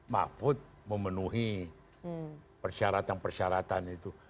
mahfud memenuhi persyaratan persyaratan itu